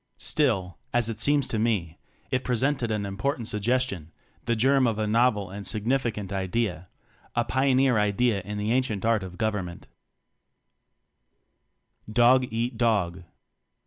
Still, as it seems to me, it presented an important suggestion, the germ of a novel and significant idea a pioneer idea in the ancient art of government. Dog Eat Dog.